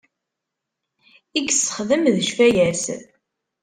I yessexdem d ccfaya-s.